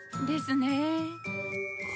ですね。